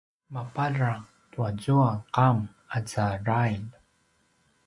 mapadrang tuazua qam aza drail